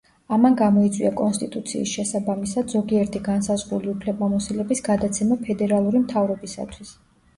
ამან გამოიწვია კონსტიტუციის შესაბამისად ზოგიერთი განსაზღვრული უფლებამოსილების გადაცემა ფედერალური მთავრობისათვის.